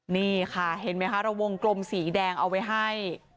นี่ค่ะเห็นไหมคะเราวงกลมสีแดงเอาไว้ให้